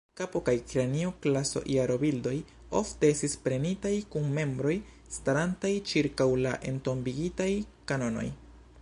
Ĉapo kaj Kranio-klaso-jarobildoj ofte estis prenitaj kun membroj starantaj ĉirkaŭ la entombigitaj kanonoj.